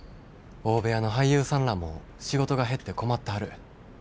大部屋の俳優さんらも仕事が減って困ったはる。